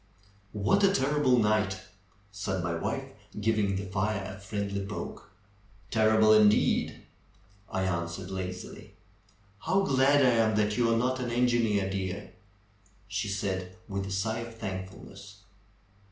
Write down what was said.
'^What a terrible night said my wife, giving the fire a friendly poke. ^^Terrible indeed;" I answered lazily. ^'How glad I am that you are not an engineer, dear !" she said with a sigh of thankfulness.